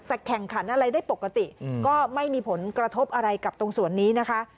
แข่งขันอะไรได้ปกติก็ไม่มีผลกระทบอะไรกับตรงสวนนี้นะคะ